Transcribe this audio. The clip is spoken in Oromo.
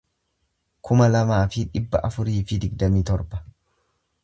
kuma lamaa fi dhibba afurii fi digdamii torba